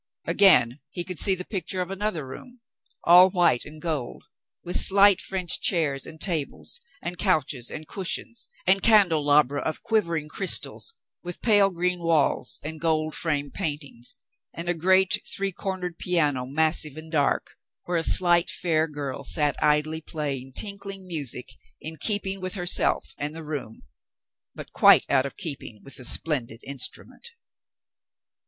Again he would see a picture of another room, all white and gold, with slight French chairs and tables, and couches and cushions, and candelabra of quivering crystals, with pale green walls and gold framed paintings, and a great, three cornered piano, massive and dark, where a slight, fair girl sat idly playing tinkling music in keeping with herself and the room, but quite out of keeping with the splendid instrument.